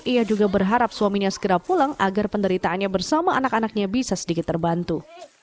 ia juga berharap suaminya segera pulang agar penderitaannya bersama anak anaknya bisa sedikit terbantu